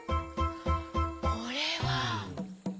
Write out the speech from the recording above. これは。